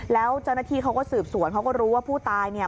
แล้วจนทีเขาก็สืบสวนเขาก็รู้ว่าผู้ตาย